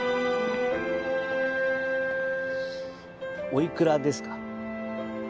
おいくらですか？